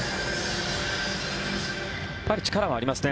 やっぱり力はありますね。